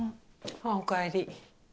ああおかえり。